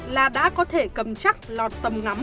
là đã có thể cầm chắc lọt tầm ngắm